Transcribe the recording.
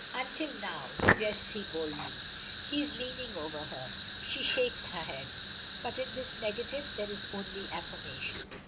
"Until now ?" suggests he boldly. He is leaning over her. She shakes her head. But in this negative there is only affirmation.